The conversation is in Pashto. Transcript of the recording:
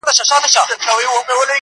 o تر خېښ، نس راپېش!